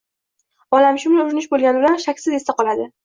olamshumul urinish bo‘lgani bilan, shaksiz, esda qoladi.